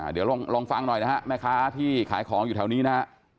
เดี๋ยวลองฟังหน่อยนะฮะแม่ค้าที่ขายของอยู่แถวนี้นะฮะ